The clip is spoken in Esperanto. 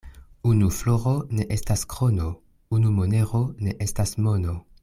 Unu floro ne estas krono, unu monero ne estas mono.